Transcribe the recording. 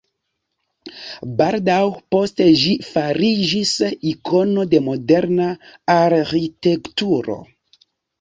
Baldaŭ poste ĝi fariĝis ikono de moderna arĥitekturo.